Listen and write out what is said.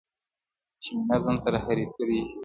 چي مي نظم ته هر توری ژوبل راسي٫